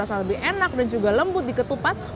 rasa lebih enak dan juga lembut di ketupat